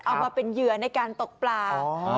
เอามาเป็นเหยื่อในการตกปลา